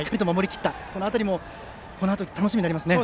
この辺りもこのあと楽しみになりますね。